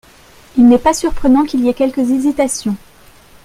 Il n’est pas surprenant qu’il y ait quelques hésitations.